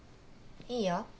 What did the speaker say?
いいよ。